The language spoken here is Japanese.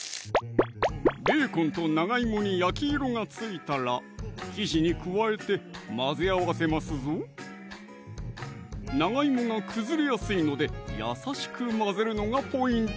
ベーコンと長いもに焼き色がついたら生地に加えて混ぜ合わせますぞ長いもが崩れやすいので優しく混ぜるのがポイント